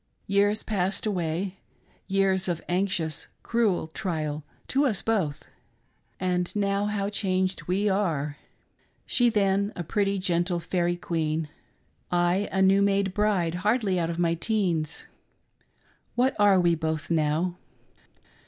Years passed away — years of anxious cruel trial to us both, and now how changed we are ! She then a pretty, gentle faerie queen ; I, a new made bride, hardly out of my teens. What are we both now